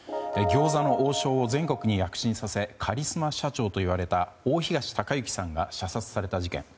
餃子の王将を全国に躍進させカリスマ社長といわれた大東隆行さんが射殺された事件。